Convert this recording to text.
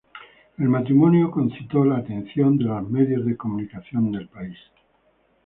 El matrimonio concitó la atención de los medios de comunicación del país.